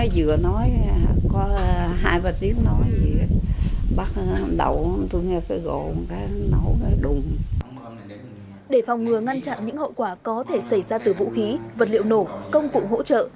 để phòng ngừa ngăn chặn những hậu quả có thể xảy ra từ vũ khí vật liệu nổ công cụ hỗ trợ